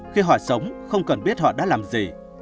khi họ sống không cần biết họ đã làm gì